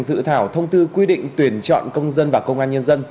dự thảo thông tư quy định tuyển chọn công dân và công an nhân dân